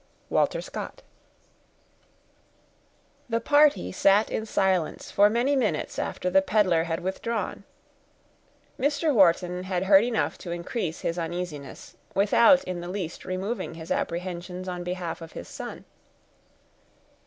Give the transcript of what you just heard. —WALTER SCOTT. The party sat in silence for many minutes after the peddler had withdrawn. Mr. Wharton had heard enough to increase his uneasiness, without in the least removing his apprehensions on behalf of his son.